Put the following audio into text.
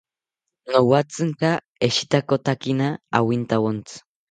Nowatzinka eshitakotakina awintawontzi